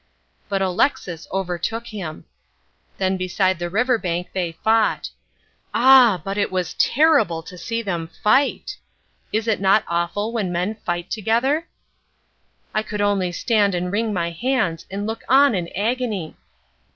But Alexis overtook him. Then beside the river bank they fought. Ah! but it was terrible to see them fight. Is it not awful when men fight together? I could only stand and wring my hands and look on in agony!